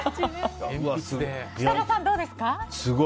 設楽さん、どうですか？